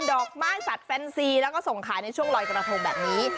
ดอกไม้สัตว์แฟนซีแล้วก็ส่งขายในช่วงลอยกระทงแบบนี้